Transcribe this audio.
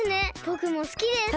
ぼくもすきです。